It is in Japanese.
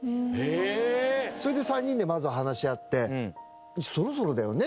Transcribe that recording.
それで３人でまずは話し合ってそろそろだよね。